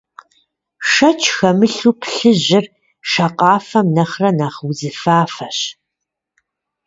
Шэч хэмылъу, плъыжьыр шакъафэм нэхърэ нэхъ удзыфафэщ.